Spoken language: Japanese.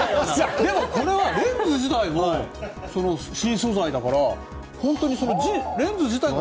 でも、これはレンズ自体も新素材だから本当にレンズ自体も。